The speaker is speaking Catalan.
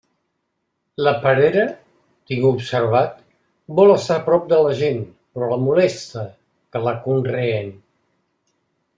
La perera, tinc observat, vol estar a prop de la gent, però la molesta que la conreen.